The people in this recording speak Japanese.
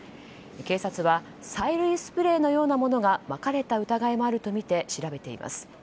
警察は催涙スプレーのようなものがまかれた疑いもあるとみて調べています。